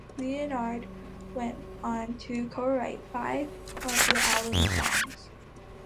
Leonard went on to co-write five of the album's songs.